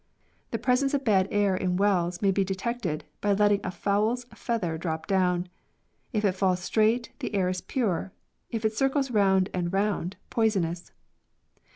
The presence of bad air in wells may be detected by letting a fowl's feather drop down : if it falls straight, the air is pure ; if it circles round and round, poisonous.